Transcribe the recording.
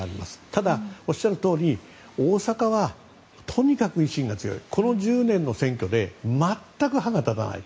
ただ、おっしゃるとおり大阪はとにかく維新が強いこの１０年の選挙で全く歯が立たない。